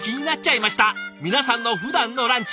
皆さんのふだんのランチ。